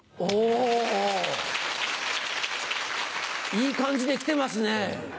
いい感じで来てますね。